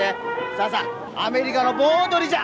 さあさあアメリカの盆踊りじゃ！